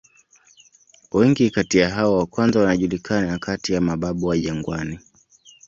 Wengi kati ya hao wa kwanza wanajulikana kati ya "mababu wa jangwani".